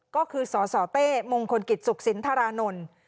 ก็คือสสเต้มงคลกิจสุขสินธารานนท์